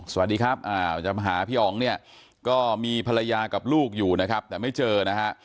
สวัสดีครับจะมาหาพี่อ๋องเนี่ยก็มีภรรยากับลูกอยู่นะครับแต่ไม่เจอนะฮะ